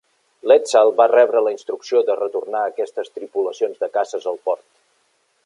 L'"Edsall" va rebre la instrucció de retornar aquestes "tripulacions de caces" al port.